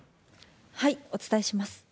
お伝えします。